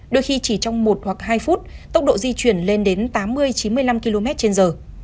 đôi khi chỉ trong một hoặc hai phút tốc độ di chuyển lên đến tám mươi chín mươi năm km trên giờ